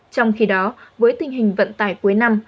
trong khi đó với tình hình vận tải cuối năm